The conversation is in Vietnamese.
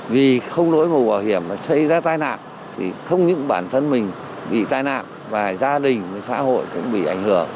vì không đổi mũ bảo hiểm mà xảy ra tai nạn thì không những bản thân mình bị tai nạn và gia đình xã hội cũng bị ảnh hưởng